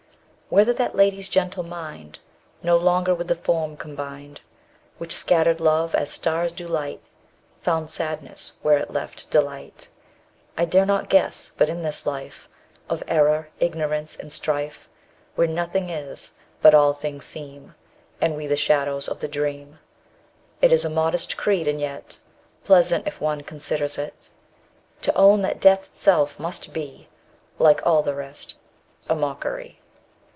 Whether that Lady's gentle mind, No longer with the form combined Which scattered love, as stars do light, _120 Found sadness, where it left delight, I dare not guess; but in this life Of error, ignorance, and strife, Where nothing is, but all things seem, And we the shadows of the dream, _125 It is a modest creed, and yet Pleasant if one considers it, To own that death itself must be, Like all the rest, a mockery.